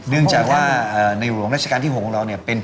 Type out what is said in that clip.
เนื่องจากว่าในหลวงราชการที่๖ของเราเนี่ยเป็น